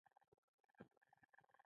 • ته د شپو خوږ انځور یې.